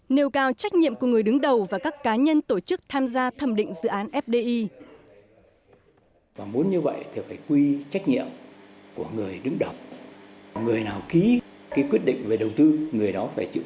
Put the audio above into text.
nêu cao trách nhiệm của người đứng đầu và các cá nhân tổ chức tham gia thẩm định dự án fdi